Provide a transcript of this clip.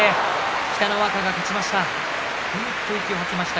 北の若が勝ちました。